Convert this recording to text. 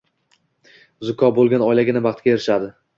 zukko bo‘lgan oilagina baxtga erishadi.